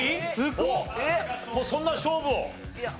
もうそんな勝負を。